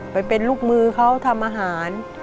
ไปเป็นลูกมือเขาทำอาหาร